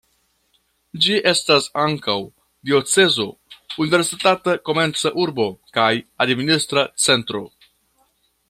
Ĝi estas ankaŭ diocezo, universitata, komerca urbo kaj administra centro.